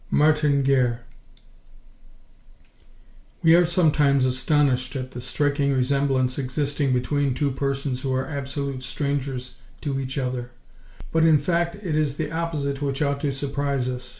*MARTIN GUERRE* We are sometimes astonished at the striking resemblance existing between two persons who are absolute strangers to each other, but in fact it is the opposite which ought to surprise us.